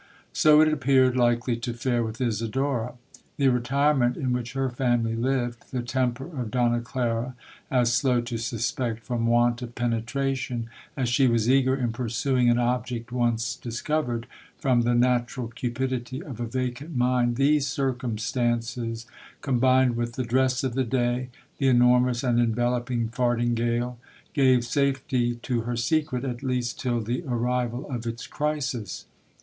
So it appeared likely to fare with Isidora. The retirement in which her family lived—the temper of Donna Clara, as slow to suspect from want of penetration, as she was eager in pursuing an object once discovered, from the natural cupidity of a vacant mind—these circumstances, combined with the dress of the day, the enormous and enveloping fardingale, gave safety to her secret, at least till the arrival of its crisis.